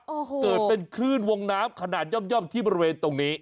เกิดเป็นคืนวงน้ำขนาดย่อมที่ประเทศนี้